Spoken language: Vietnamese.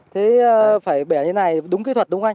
thế phải bẻ như này đúng kỹ thuật đúng không anh